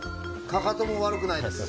かかとも悪くないです。